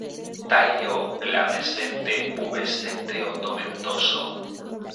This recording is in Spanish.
Tallo glabrescente, pubescente o tomentoso.